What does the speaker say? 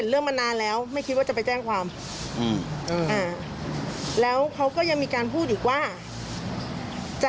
เมื่อวายมีการพาดโทรมาแต่ว่าเขาไม่รู้เป็นแม่